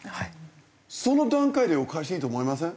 その段階でおかしいと思いません？